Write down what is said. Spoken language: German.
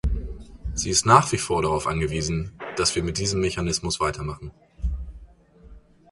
Sie ist nach wie vor darauf angewiesen, dass wir mit diesem Mechanismus weitermachen.